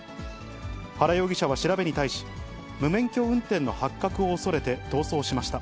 原容疑者は調べに対し、無免許運転の発覚を恐れて逃走しました。